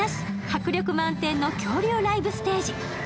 迫力満点の恐竜ライブステージ。